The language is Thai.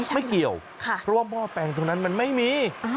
ไม่เกี่ยวเพราะว่าหม้อแปลงตรงนั้นมันไม่มี